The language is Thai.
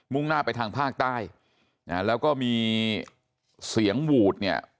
่งหน้าไปทางภาคใต้นะฮะแล้วก็มีเสียงหวูดเนี่ย